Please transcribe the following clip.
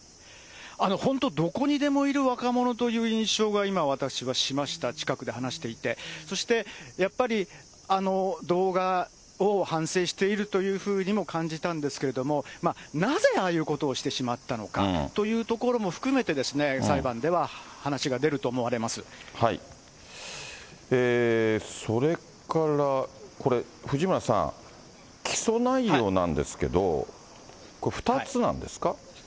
本当、どこにでもいる若者という印象がしました、近くで話していて、そして、やっぱり、あの動画を反省しているというふうにも感じたんですけれども、なぜああいうことをしてしまったのかというところも含めてですね、それからこれ、藤村さん、起訴内容なんですけど、２つなんですか？